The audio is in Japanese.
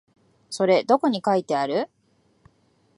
それどこに書いてある？